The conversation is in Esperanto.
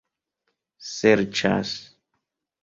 serĉas